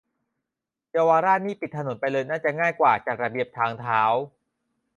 เยาวราชนี่ปิดถนนไปเลยน่าจะง่ายกว่าจัดระเบียบทางเท้า